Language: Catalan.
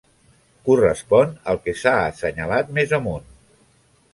Correspon al que s'ha assenyalat més amunt.